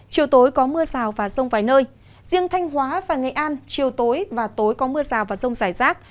chiều tối có mưa rào và rông vài nơi riêng thanh hóa và nghệ an chiều tối và tối có mưa rào và rông rải rác